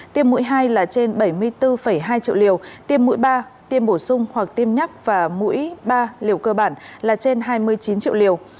tiêm mũi hai là trên bảy mươi bốn hai triệu liều tiêm mũi ba tiêm bổ sung hoặc tiêm nhắc và mũi ba liều cơ bản là trên hai mươi chín triệu liều